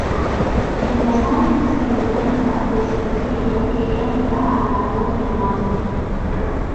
El Diamante se alimenta del deshielo que entra al Lago Diamante.